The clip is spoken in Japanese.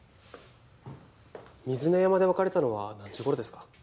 水根山で別れたのは何時ごろですか？